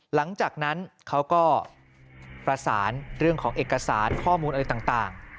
หลังจากนั้นเขาก็ประสานเรื่องของเอกสารข้อมูลอะไรต่าง